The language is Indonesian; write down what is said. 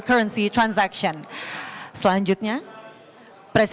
dapat pembranan kursus kese hombres